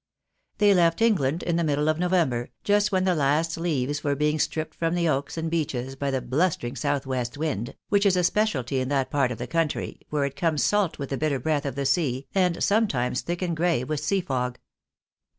They left England in the middle of November, just when the last leaves were being stripped from the oaks and beeches by the blustering south west wind, which is a speciality in that part of the country, where it comes salt with the bitter breath of the sea, and sometimes thick and gray with sea fog.